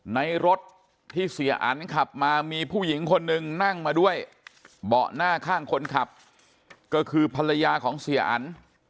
ในรถที่เสียอันขับมามีผู้หญิงคนหนึ่งนั่งมาด้วยเบาะหน้าข้างคนขับก็คือภรรยาของเสียอัน